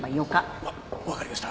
わ分かりました。